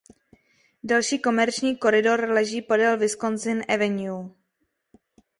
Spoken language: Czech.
Další komerční koridor leží podél Wisconsin Avenue.